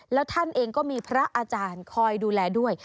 แล้วท่านเองก็มีพระอาจารย์คอยดูแลด้วย